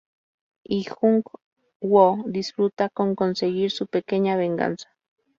Y Jung Woo disfruta con conseguir su pequeña venganza.